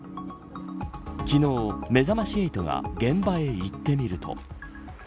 昨日、めざまし８が現場へ行ってみると。